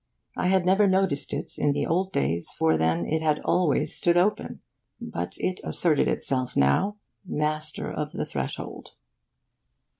I had never noticed it in the old days, for then it had always stood open. But it asserted itself now, master of the threshold.